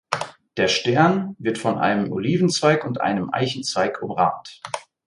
Der Stern wird von einem Olivenzweig und einem Eichenzweig umrahmt.